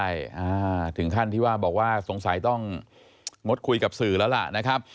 ใช่ถึงขั้นที่ว่าบอกว่าสงสัยต้องงดคุยกับสื่อแล้วล่ะนะครับ